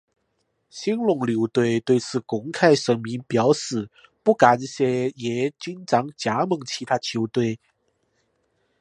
兴农牛队对此公开声明表示不干涉叶君璋加盟其他球队。